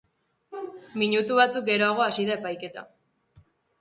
Minutu batzuk geroago hasi da epaiketa.